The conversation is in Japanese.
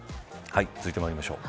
続いてまいりましょう。